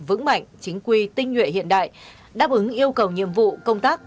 vững mạnh chính quy tinh nhuệ hiện đại đáp ứng yêu cầu nhiệm vụ công tác